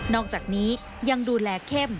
อกจากนี้ยังดูแลเข้ม